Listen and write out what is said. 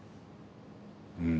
うん。